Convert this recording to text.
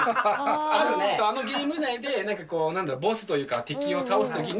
あのゲーム内で、ボスというか、敵を倒すときに。